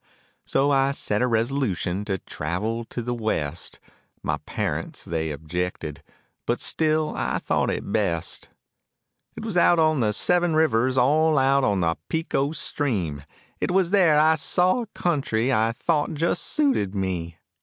So I set a resolution to travel to the West, My parents they objected, but still I thought it best. It was out on the Seven Rivers all out on the Pecos stream, It was there I saw a country I thought just suited me.